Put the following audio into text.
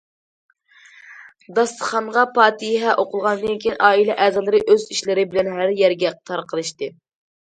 داستىخانغا پاتىھە ئوقۇلغاندىن كېيىن، ئائىلە ئەزالىرى ئۆز ئىشلىرى بىلەن ھەر يەرگە تارقىلىشتى.